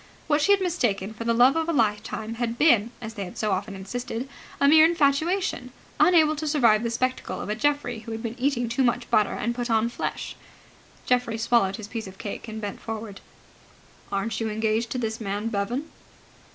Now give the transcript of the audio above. What she had mistaken for the love of a lifetime had been, as they had so often insisted, a mere infatuation, unable to survive the spectacle of a Geoffrey who had been eating too much butter and had put on flesh. Geoffrey swallowed his piece of cake, and bent forward. "Aren't you engaged to this man Bevan?"